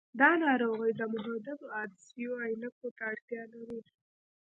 دا ناروغي د محدبو عدسیو عینکو ته اړتیا لري.